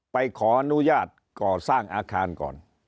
ไปขออนุญาตก่อสร้างอาคารก่อน